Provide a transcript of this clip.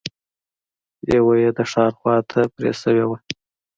يوه يې د ښار خواته پرې شوې وه.